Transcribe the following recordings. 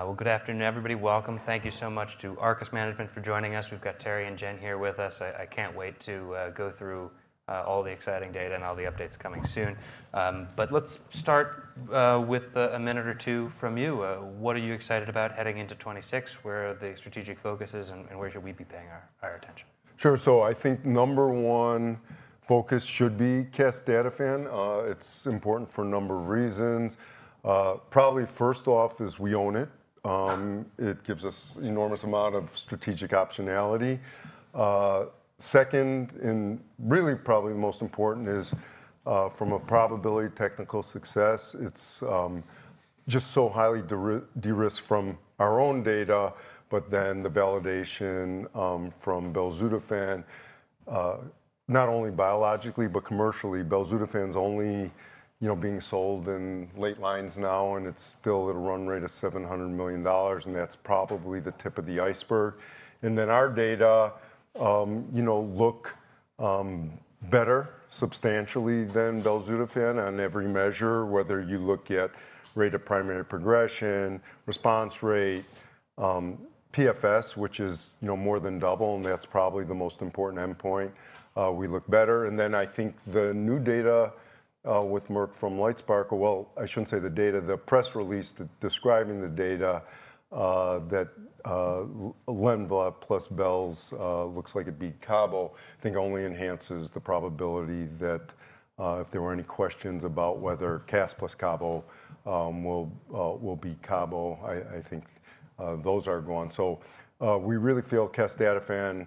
All right. Well, good afternoon, everybody. Welcome. Thank you so much to Arcus Management for joining us. We've got Terry and Jen here with us. I can't wait to go through all the exciting data and all the updates coming soon. But let's start with a minute or two from you. What are you excited about heading into 2026? Where are the strategic focuses, and where should we be paying our attention? Sure. So I think number one focus should be casdatifan. It's important for a number of reasons. Probably first off is we own it. It gives us an enormous amount of strategic optionality. Second, and really probably the most important is from a probability technical success. It's just so highly de-risked from our own data, but then the validation from Belzutifan, not only biologically, but commercially. Belzutifan's only being sold in late lines now, and it's still at a run rate of $700 million, and that's probably the tip of the iceberg. And then our data look better substantially than Belzutifan on every measure, whether you look at rate of primary progression, response rate, PFS, which is more than double, and that's probably the most important endpoint. We look better. And then I think the new data with Merck from LITESPARK, well, I shouldn't say the data, the press release describing the data that Lenva plus Bell's looks like it'd be Cabozantinib, I think only enhances the probability that if there were any questions about whether casdatifan plus Cabozantinib will be Cabozantinib, I think those are gone. So we really feel casdatifan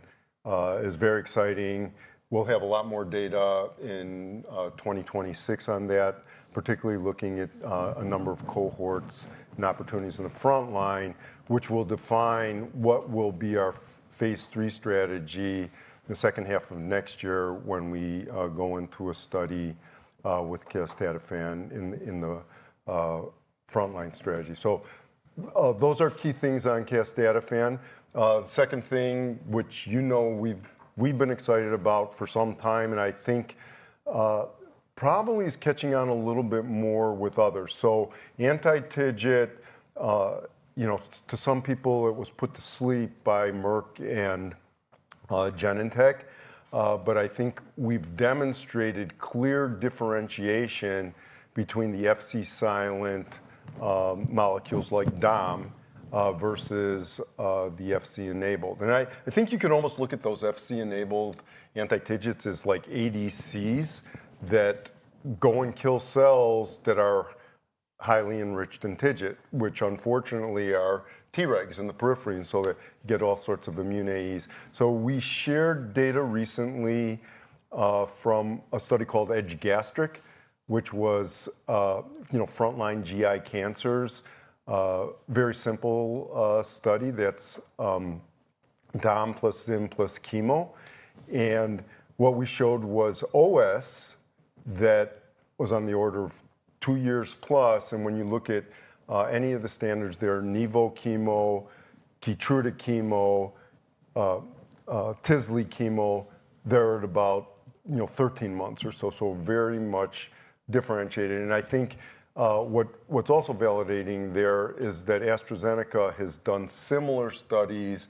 is very exciting. We'll have a lot more data in 2026 on that, particularly looking at a number of cohorts and opportunities in the front line, which will define what will be our phase III strategy the second half of next year when we go into a study with casdatifan in the front line strategy. So those are key things on casdatifan. Second thing, which you know we've been excited about for some time, and I think probably is catching on a little bit more with others. So anti-TIGIT, to some people, it was put to sleep by Merck and Genentech, but I think we've demonstrated clear differentiation between the Fc-silent molecules like Domvanalimab versus the Fc-enabled. And I think you can almost look at those Fc-enabled anti-TIGITs as like ADCs that go and kill cells that are highly enriched in TIGIT, which unfortunately are Tregs in the periphery, and so they get all sorts of immune AEs. So we shared data recently from a study called EDGE-Gastric, which was frontline GI cancers, very simple study that's Domvanalimab plus Zim plus chemo. And what we showed was OS that was on the order of two years plus. When you look at any of the standards, they're Nivolumab chemo, Keytruda chemo, Tisle chemo, they're at about 13 months or so, so very much differentiated. I think what's also validating there is that AstraZeneca has done similar studies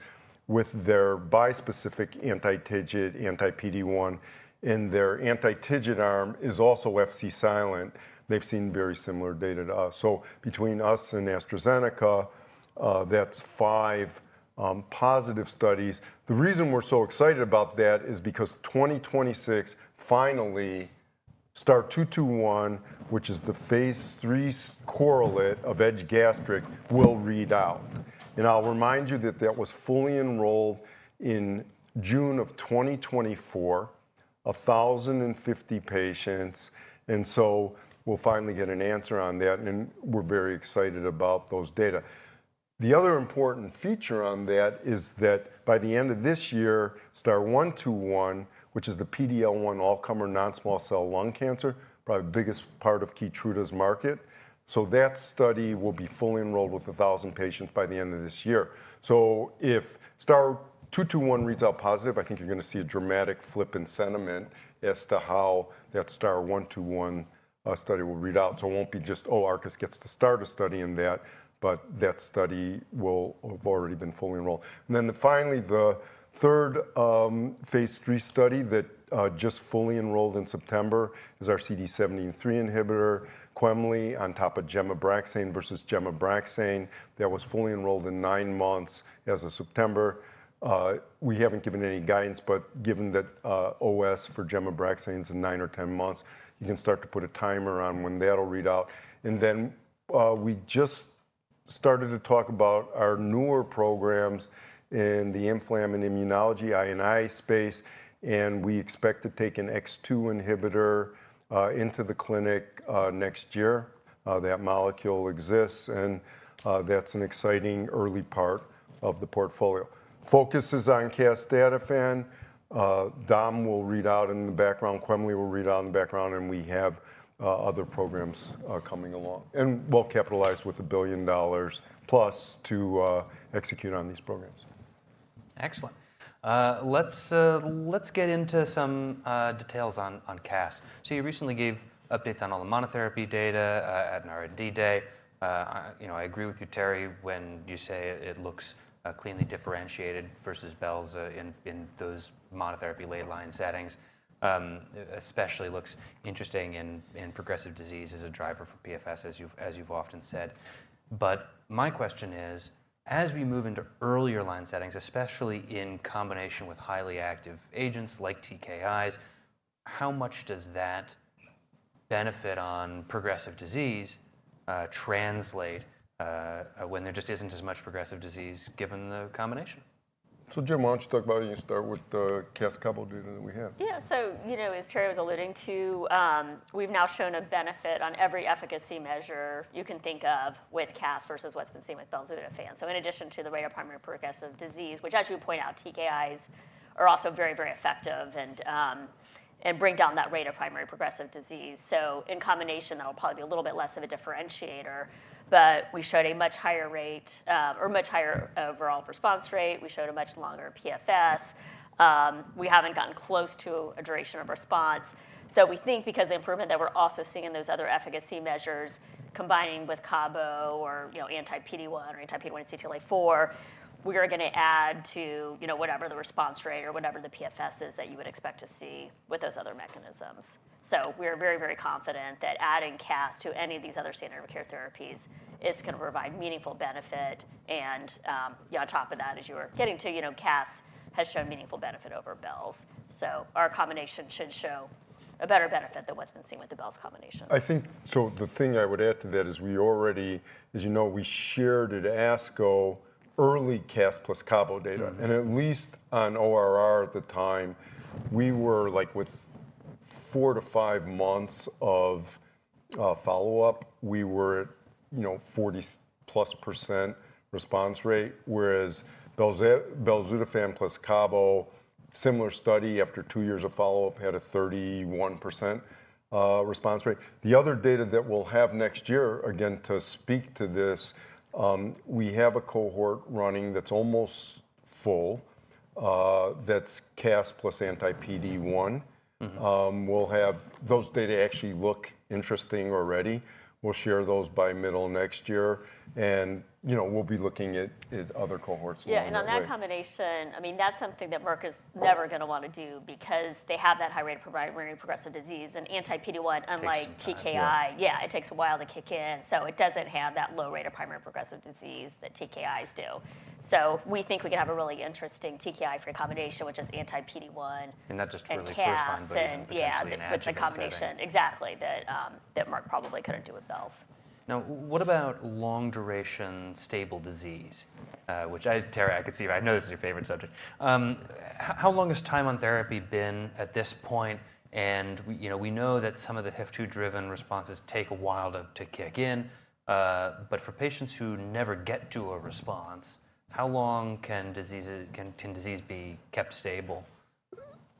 with their bispecific anti-TIGIT, anti-PD-1, and their anti-TIGIT arm is also Fc-silent. They've seen very similar data to us. Between us and AstraZeneca, that's five positive studies. The reason we're so excited about that is because 2026 finally STAR-221, which is the phase III correlate of EDGE-Gastric, will read out. I'll remind you that that was fully enrolled in June of 2024, 1,050 patients. So we'll finally get an answer on that, and we're very excited about those data. The other important feature on that is that by the end of this year, STAR-121, which is the PD-L1 all-comer non-small cell lung cancer, probably the biggest part of Keytruda's market. So that study will be fully enrolled with 1,000 patients by the end of this year. So if STAR-221 reads out positive, I think you're going to see a dramatic flip in sentiment as to how that STAR-121 study will read out. So it won't be just, "Oh, Arcus gets to start a study in that," but that study will have already been fully enrolled. And then finally, the third phase III study that just fully enrolled in September is our CD73 inhibitor, Quemli on top of gemcitabine and Abraxane versus gemcitabine and Abraxane that was fully enrolled in nine months as of September. We haven't given any guidance, but given that OS for gem-abraxane is in nine or ten months, you can start to put a timer on when that'll read out. And then we just started to talk about our newer programs in the inflammatory immunology INI space, and we expect to take an HIF-2 inhibitor into the clinic next year. That molecule exists, and that's an exciting early part of the portfolio. Focus is on casdatifan. Domvanalimab will read out in the background, Quemli will read out in the background, and we have other programs coming along and will capitalize with $1+ billion to execute on these programs. Excellent. Let's get into some details on CAST. So you recently gave updates on all the monotherapy data at an R&D day. I agree with you, Terry, when you say it looks cleanly differentiated versus Bell's in those monotherapy late line settings, especially looks interesting in progressive disease as a driver for PFS, as you've often said. But my question is, as we move into earlier line settings, especially in combination with highly active agents like TKIs, how much does that benefit on progressive disease translate when there just isn't as much progressive disease given the combination? So, Jim, why don't you talk about it, and you start with the CAST Cabozantinib data that we have? Yeah. So as Terry was alluding to, we've now shown a benefit on every efficacy measure you can think of with casdatifan versus what's been seen with Belzutifan. So in addition to the rate of primary progressive disease, which as you point out, TKIs are also very, very effective and bring down that rate of primary progressive disease. So in combination, that'll probably be a little bit less of a differentiator, but we showed a much higher rate or much higher overall response rate. We showed a much longer PFS. We haven't gotten close to a duration of response. So we think because the improvement that we're also seeing in those other efficacy measures, combining with cabozantinib or anti-PD-1 or anti-PD-1 and CTLA-4, we are going to add to whatever the response rate or whatever the PFS is that you would expect to see with those other mechanisms. So we are very, very confident that adding CAST to any of these other standard of care therapies is going to provide meaningful benefit. And on top of that, as you were getting to, CAST has shown meaningful benefit over Bell's. So our combination should show a better benefit than what's been seen with the Bell's combination. I think so the thing I would add to that is we already, as you know, we shared at ASCO early CAST plus Cabozantinib data. And at least on ORR at the time, we were like with four to five months of follow-up, we were at 40%+ response rate, whereas Belzutifan plus Cabozantinib, similar study after two years of follow-up had a 31% response rate. The other data that we'll have next year, again, to speak to this, we have a cohort running that's almost full that's CAST plus anti-PD-1. We'll have those data actually look interesting already. We'll share those by middle next year, and we'll be looking at other cohorts. Yeah. And on that combination, I mean, that's something that Merck is never going to want to do because they have that high rate of primary progressive disease and anti-PD-1, unlike TKI. Yeah, it takes a while to kick in, so it doesn't have that low rate of primary progressive disease that TKIs do. So we think we can have a really interesting TKI-free combination, which is anti-PD-1. And not just for the first line, but. And CAST and with the combination. Exactly. That Merck probably couldn't do with Bell's. Now, what about long duration stable disease, which I, Terry, could see you. I know this is your favorite subject. How long has time on therapy been at this point? And we know that some of the HIF-2-driven responses take a while to kick in, but for patients who never get to a response, how long can disease be kept stable?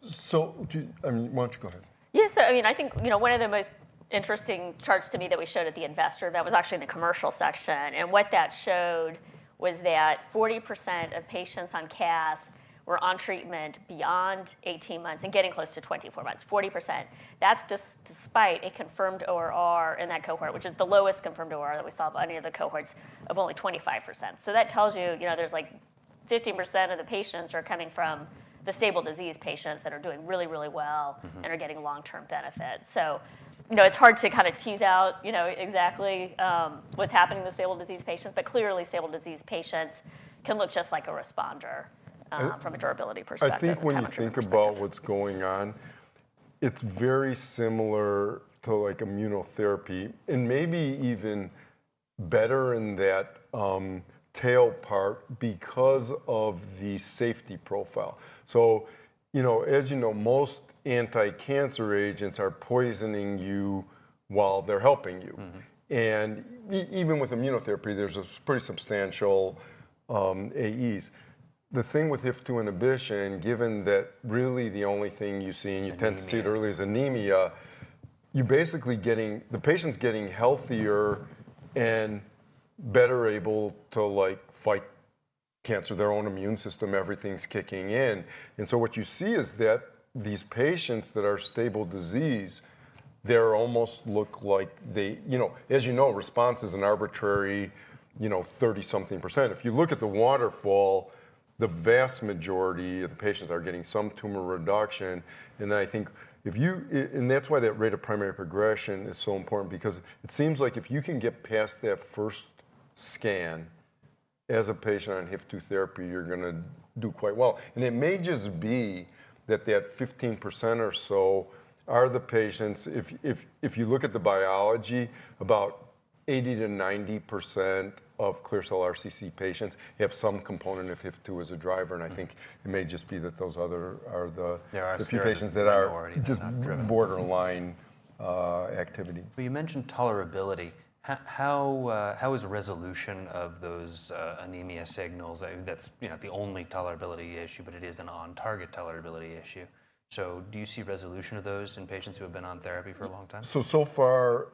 So I mean, why don't you go ahead. Yeah, so I mean, I think one of the most interesting charts to me that we showed at the investor event was actually in the commercial section, and what that showed was that 40% of patients on CAST were on treatment beyond 18 months and getting close to 24 months, 40%. That's despite a confirmed ORR in that cohort, which is the lowest confirmed ORR that we saw of any of the cohorts of only 25%, so that tells you there's like 15% of the patients are coming from the stable disease patients that are doing really, really well and are getting long-term benefit. So it's hard to kind of tease out exactly what's happening with stable disease patients, but clearly stable disease patients can look just like a responder from a durability perspective. I think when you think about what's going on, it's very similar to immunotherapy and maybe even better in that tail part because of the safety profile. So as you know, most anti-cancer agents are poisoning you while they're helping you. And even with immunotherapy, there's a pretty substantial AEs. The thing with HIF2 inhibition, given that really the only thing you see, and you tend to see it early as anemia, you're basically getting the patients getting healthier and better able to fight cancer, their own immune system, everything's kicking in. And so what you see is that these patients that are stable disease, they almost look like they, as you know, response is an arbitrary 30-something%. If you look at the waterfall, the vast majority of the patients are getting some tumor reduction. And then I think if you, and that's why that rate of primary progression is so important, because it seems like if you can get past that first scan as a patient on HIF2 therapy, you're going to do quite well. And it may just be that that 15% or so are the patients. If you look at the biology, about 80%-90% of clear cell RCC patients have some component of HIF2 as a driver. And I think it may just be that those other are the few patients that are just borderline activity. But you mentioned tolerability. How is resolution of those anemia signals? That's the only tolerability issue, but it is an on-target tolerability issue. So do you see resolution of those in patients who have been on therapy for a long time? So far,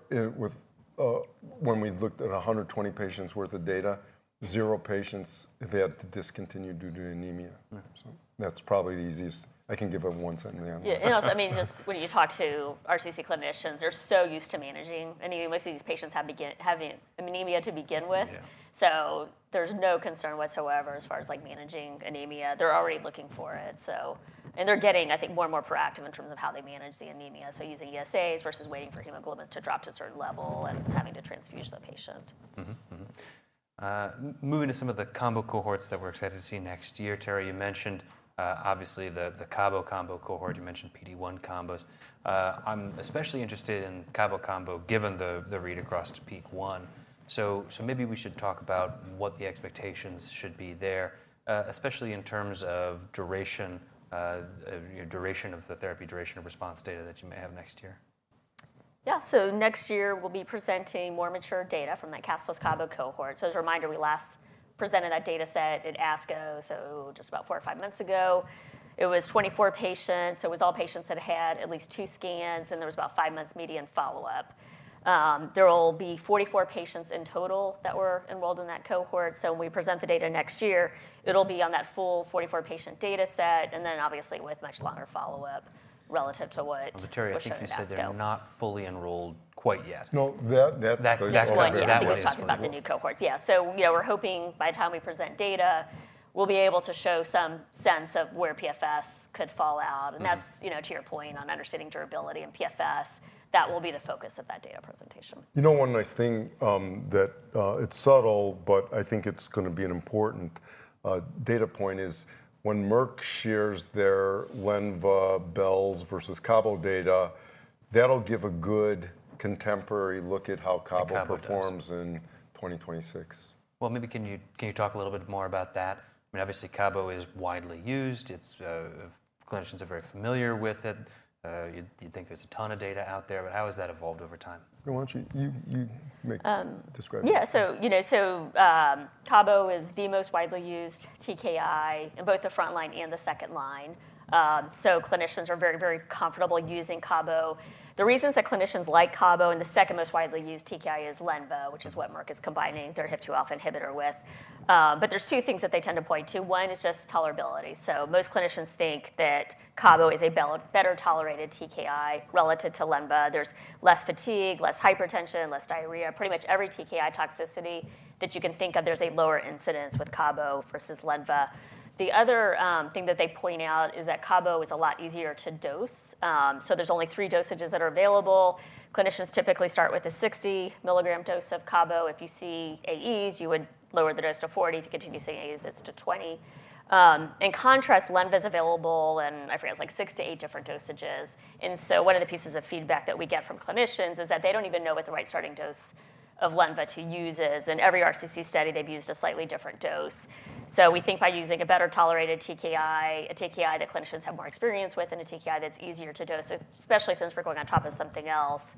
when we looked at 120 patients' worth of data, zero patients have had to discontinue due to anemia. So that's probably the easiest. I can give everyone something on that. Yeah. And also, I mean, just when you talk to RCC clinicians, they're so used to managing anemia. Most of these patients have anemia to begin with. So there's no concern whatsoever as far as managing anemia. They're already looking for it. And they're getting, I think, more and more proactive in terms of how they manage the anemia. So using ESAs versus waiting for hemoglobin to drop to a certain level and having to transfuse the patient. Moving to some of the combo cohorts that we're excited to see next year, Terry, you mentioned obviously the Cabozantinib combo cohort. You mentioned PD-1 combos. I'm especially interested in Cabozantinib combo given the read across to PEAK-1. So maybe we should talk about what the expectations should be there, especially in terms of duration, duration of the therapy, duration of response data that you may have next year. Yeah. So next year, we'll be presenting more mature data from that CAST plus Cabozantinib cohort. So as a reminder, we last presented that data set at ASCO, so just about four or five months ago. It was 24 patients. It was all patients that had had at least two scans, and there was about five months median follow-up. There will be 44 patients in total that were enrolled in that cohort. So when we present the data next year, it'll be on that full 44-patient data set, and then obviously with much longer follow-up relative to what we've discussed. Terry, I think you said they're not fully enrolled quite yet. No, that's clear. That's what I heard. That way we're just talking about the new cohorts. Yeah. So we're hoping by the time we present data, we'll be able to show some sense of where PFS could fall out. And that's to your point on understanding durability and PFS. That will be the focus of that data presentation. You know one nice thing that it's subtle, but I think it's going to be an important data point is when Merck shares their Lenva, Bell's versus Cabozantinib data, that'll give a good contemporary look at how Cabozantinib performs in 2026. Maybe can you talk a little bit more about that? I mean, obviously Cabozantinib is widely used. Clinicians are very familiar with it. You think there's a ton of data out there, but how has that evolved over time? Why don't you describe it? Yeah. So Cabozantinib is the most widely used TKI in both the front line and the second line. So clinicians are very, very comfortable using Cabozantinib. The reasons that clinicians like Cabozantinib and the second most widely used TKI is Lenva, which is what Merck is combining their HIF-2 alpha inhibitor with. But there's two things that they tend to point to. One is just tolerability. So most clinicians think that Cabozantinib is a better tolerated TKI relative to Lenva. There's less fatigue, less hypertension, less diarrhea. Pretty much every TKI toxicity that you can think of, there's a lower incidence with Cabozantinib versus Lenva. The other thing that they point out is that Cabozantinib is a lot easier to dose. So there's only three dosages that are available. Clinicians typically start with a 60 mg dose of Cabozantinib. If you see AEs, you would lower the dose to 40. If you continue to see AEs, it's to 20. In contrast, Lenva is available in, I forget, like six to eight different dosages. And so one of the pieces of feedback that we get from clinicians is that they don't even know what the right starting dose of Lenva to use is. In every RCC study, they've used a slightly different dose. So we think by using a better tolerated TKI, a TKI that clinicians have more experience with, and a TKI that's easier to dose, especially since we're going on top of something else,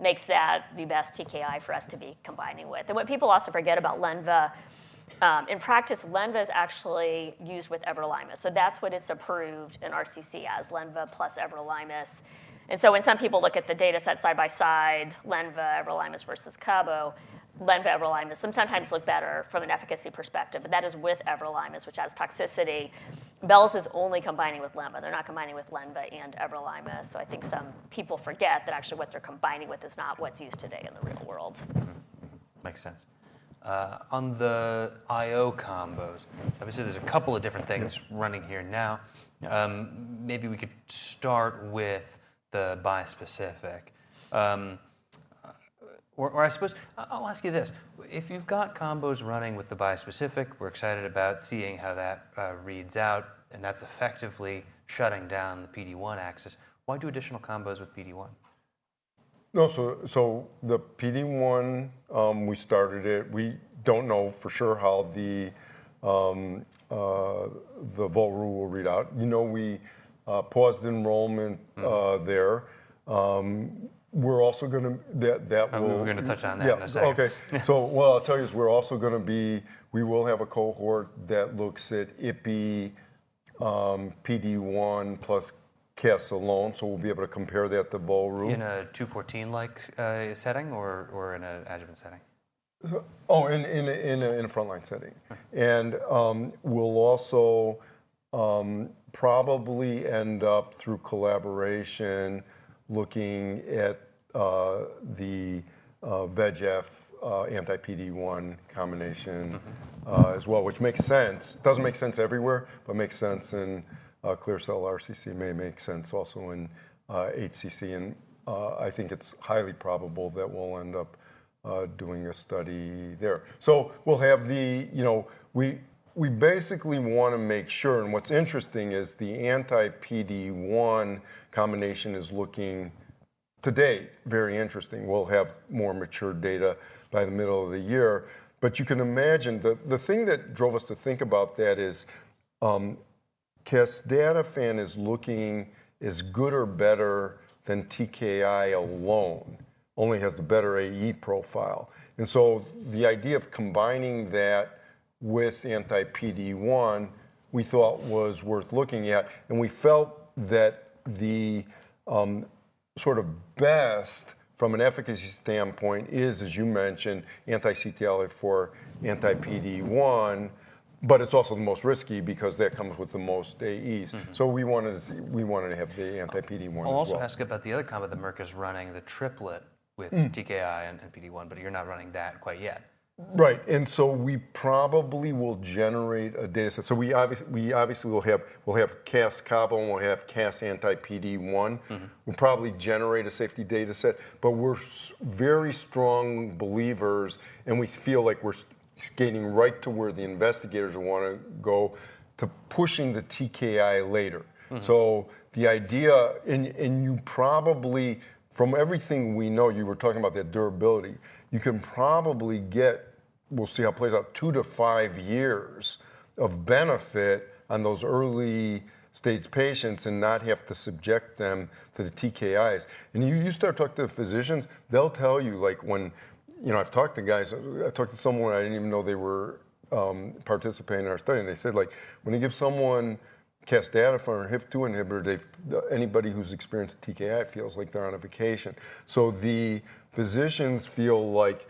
makes that the best TKI for us to be combining with. And what people also forget about Lenva, in practice, Lenva is actually used with everolimus. So that's what it's approved in RCC as, Lenva plus everolimus. And so when some people look at the data set side by side, Lenva, everolimus versus Cabozantinib, Lenva, everolimus sometimes look better from an efficacy perspective, but that is with everolimus, which has toxicity. Bell's is only combining with Lenva. They're not combining with Lenva and everolimus. So I think some people forget that actually what they're combining with is not what's used today in the real world. Makes sense. On the IO combos, obviously there's a couple of different things running here now. Maybe we could start with the bispecific. Or I suppose I'll ask you this. If you've got combos running with the bispecific, we're excited about seeing how that reads out, and that's effectively shutting down the PD-1 axis. Why do additional combos with PD-1? So the PD-1, we started it. We don't know for sure how the Volrustomig will read out. You know we paused enrollment there. We're also going to. We're going to touch on that in a second. Yeah. Okay. So what I'll tell you is we're also going to be, we will have a cohort that looks at Ipili PD-1 plus KES alone. So we'll be able to compare that to Volrustomig. In a 214-like setting or in an adjuvant setting? Oh, in a front line setting. And we'll also probably end up through collaboration looking at the VEGF anti-PD-1 combination as well, which makes sense. It doesn't make sense everywhere, but makes sense in clear cell RCC, may make sense also in HCC. And I think it's highly probable that we'll end up doing a study there. So we'll have the, we basically want to make sure, and what's interesting is the anti-PD-1 combination is looking today very interesting. We'll have more mature data by the middle of the year. But you can imagine that the thing that drove us to think about that is casdatifan is looking as good or better than TKI alone, only has the better AE profile. And so the idea of combining that with anti-PD-1, we thought was worth looking at. We felt that the sort of best from an efficacy standpoint is, as you mentioned, anti-CTLA-4 and anti-PD-1, but it's also the most risky because that comes with the most AEs. We wanted to have the anti-PD-1 as well. I'll also ask about the other combo that Merck is running, the triplet with TKI and PD-1, but you're not running that quite yet. Right. And so we probably will generate a data set. So we obviously will have KEYNOTE Cabozantinib, and we'll have KEYNOTE anti-PD-1. We'll probably generate a safety data set, but we're very strong believers, and we feel like we're skating right to where the investigators want to go to pushing the TKI later. So the idea, and you probably, from everything we know, you were talking about that durability, you can probably get, we'll see how it plays out, two to five years of benefit on those early stage patients and not have to subject them to the TKIs. You start talking to the physicians, they'll tell you, like when I've talked to guys, I talked to someone I didn't even know they were participating in our study, and they said, like when you give someone casdatifan or HIF-2 inhibitor, anybody who's experienced TKI feels like they're on a vacation. So the physicians feel like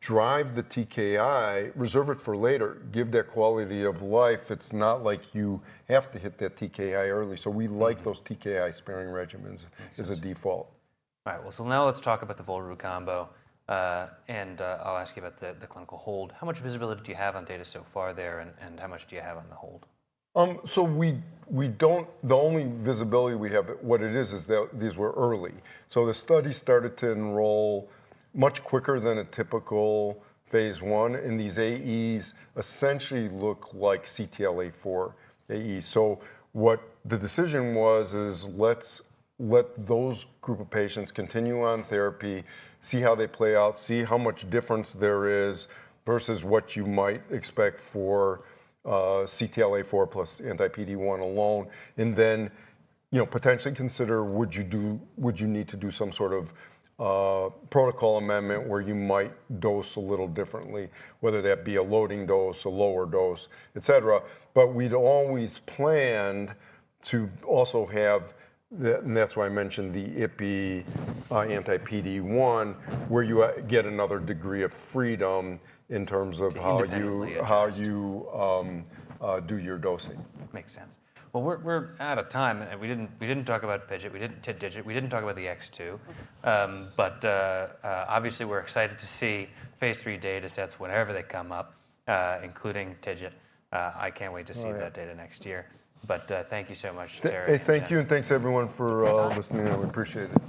drive the TKI, reserve it for later, give that quality of life. It's not like you have to hit that TKI early. So we like those TKI sparing regimens as a default. All right. Well, so now let's talk about the Volrustomig combo, and I'll ask you about the clinical hold. How much visibility do you have on data so far there, and how much do you have on the hold? So we don't, the only visibility we have, what it is, is that these were early. So the study started to enroll much quicker than a typical phase I, and these AEs essentially look like CTLA-4 AEs. So what the decision was is let's let those group of patients continue on therapy, see how they play out, see how much difference there is versus what you might expect for CTLA-4 plus anti-PD-1 alone, and then potentially consider would you need to do some sort of protocol amendment where you might dose a little differently, whether that be a loading dose, a lower dose, et cetera. But we'd always planned to also have, and that's why I mentioned the IPPI anti-PD-1, where you get another degree of freedom in terms of how you do your dosing. Makes sense. Well, we're out of time. We didn't talk about TIGIT. We didn't talk about the HIF-2. But obviously we're excited to see phase III data sets, whenever they come up, including TIGIT. I can't wait to see that data next year. But thank you so much, Terry. Thank you, and thanks everyone for listening. We appreciate it.